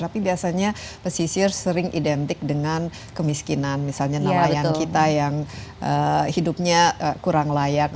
tapi biasanya pesisir sering identik dengan kemiskinan misalnya nelayan kita yang hidupnya kurang layak